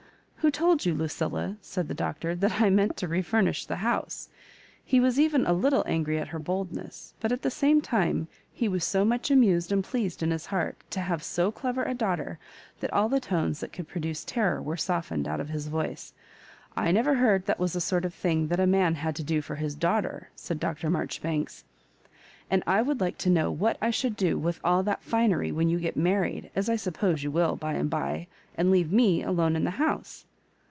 "Who told you, Lucilla," said the Doctor, "that I meant to refurnish the house?" He was even a little angry at her boldness, but at the same time he was so much amused and pleased in his heart to have so clever a daughter, that all the tones that could produce terror were softened out of his voice. " I never heard that was a sort of thing that a man had to do for his daughter/' said Dr. Marjoribanks; and I would like to know what I should do with all that finery when you get married— as I suppose you will by and by— and leave me alone in the house